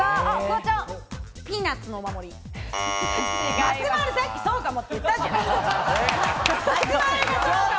松丸、さっき、そうかもって言ったじゃん！